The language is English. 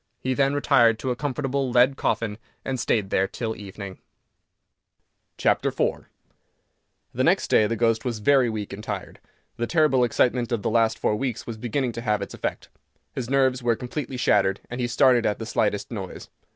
He then retired to a comfortable lead coffin, and stayed there till evening. IV [Illustration: "HE MET WITH A SEVERE FALL"] The next day the ghost was very weak and tired. The terrible excitement of the last four weeks was beginning to have its effect. His nerves were completely shattered, and he started at the slightest noise.